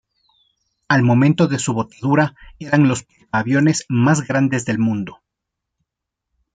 Al momento de su botadura eran los portaaviones más grandes del mundo.